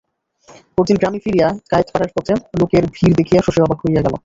পরদিন গ্রামে ফিরিয়া কায়েতপাড়ার পথে লোকের ভিড় দেখিয়া শশী অবাক হইয়া গেল।